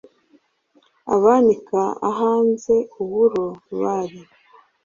Abanika ahanze uburo bari